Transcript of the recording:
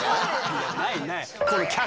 いやないない。